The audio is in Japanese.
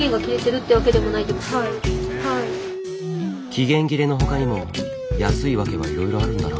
期限切れの他にも安いワケはいろいろあるんだな。